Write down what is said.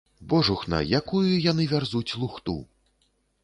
Божухна, якую яны вярзуць лухту!